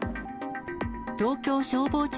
東京消防庁